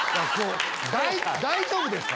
大丈夫ですか？